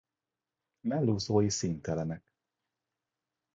Mellúszói színtelenek.